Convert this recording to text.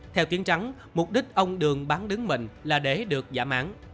theo tiến trắng mục đích ông đường bán đứng mình là để được giả mán